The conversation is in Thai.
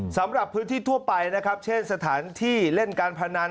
สำหรับพื้นที่ทั่วไปนะครับเช่นสถานที่เล่นการพนัน